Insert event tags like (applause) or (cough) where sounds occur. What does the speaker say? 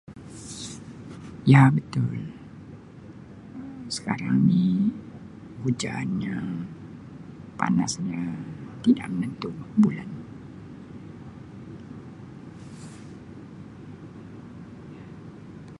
Ya betul sekarang ni hujan nya panas nya tidak menentu. (unintelligible)